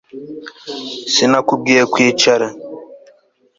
Sinakubwiye kwicara